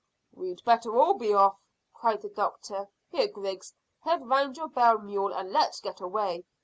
"We'd better all be off," cried the doctor. "Here, Griggs, head round your bell mule and let's get away.